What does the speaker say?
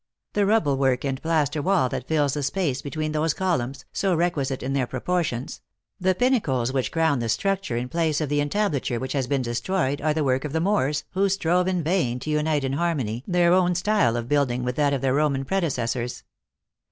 The rubble work and plaster wall that fills the space between those columns, so requisite in their propor tions the pinnacles which crown the structure in place of the entablature which has been destroyed, are the work of the Moors, who strove in vain to unite 168 THE ACTRESS IN HIGH LIFE. in harmony their own style of building with that of their Roman predecessors.